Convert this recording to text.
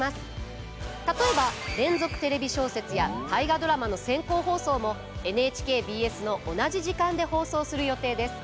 例えば「連続テレビ小説」や「大河ドラマ」の先行放送もＮＨＫＢＳの同じ時間で放送する予定です。